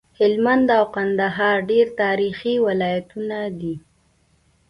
هلمند او کندهار ډير تاريخي ولايتونه دي